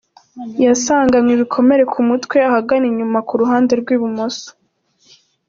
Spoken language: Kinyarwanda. Yasanganwe ibikomere ku mutwe ahagana inyuma ku ruhande rw’ibumoso.